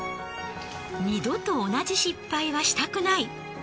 二度と同じ失敗はしたくない。